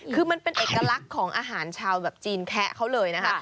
คือมันเป็นเอกลักษณ์ของอาหารชาวแบบจีนแคะเขาเลยนะคะ